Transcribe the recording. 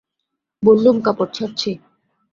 বললুম, কাপড় ছাড়ছি।